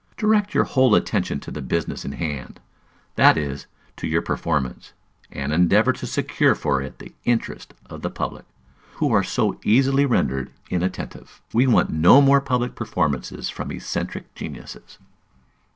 Direct your whole attention to the business in hand, that is, to your performance; and endeavor to secure for it the interest of the public, who are so easily rendered inattentive. We want no more public performances from eccentric geniuses.